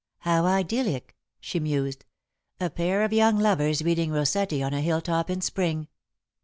"How idyllic!" she mused; "a pair of young lovers reading Rossetti on a hill top in Spring!